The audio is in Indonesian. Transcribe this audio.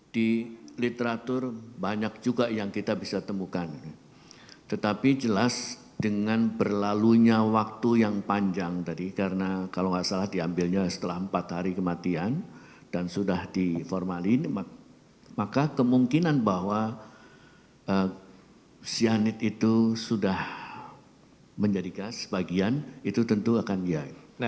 di literatur banyak juga yang kita bisa temukan tetapi jelas dengan berlalunya waktu yang panjang tadi karena kalau enggak salah diambilnya setelah empat hari kematian dan sudah diformalin maka kemungkinan bahwa siani itu sudah menjadikan sebagian itu tentu akan diayak